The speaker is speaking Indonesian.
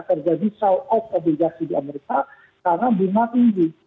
terjadi south off obligasi di amerika karena bunga tinggi